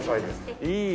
いい。